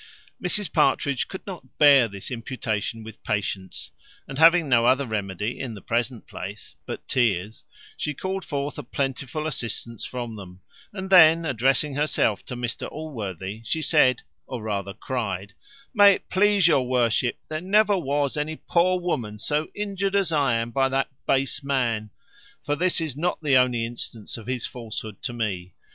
Mrs Partridge could not bear this imputation with patience; and having no other remedy in the present place but tears, she called forth a plentiful assistance from them, and then addressing herself to Mr Allworthy, she said (or rather cried), "May it please your worship, there never was any poor woman so injured as I am by that base man; for this is not the only instance of his falsehood to me.